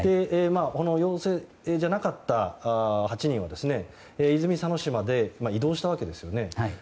陽性じゃなかった８人は泉佐野市まで移動したわけですよね。